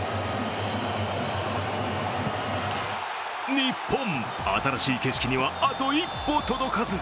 日本、新しい景色にはあと一歩届かず。